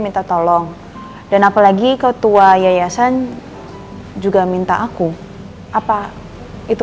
jadi pak victor nelfon aku dia minta tolong dan apalagi ketua yayasan juga minta aku apa itu